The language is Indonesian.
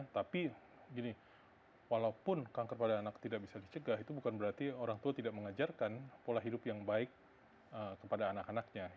tapi gini walaupun kanker pada anak tidak bisa dicegah itu bukan berarti orang tua tidak mengajarkan pola hidup yang baik kepada anak anaknya